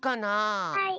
はい。